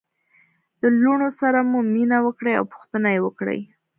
د لوڼو سره مو مینه وکړئ او پوښتنه يې وکړئ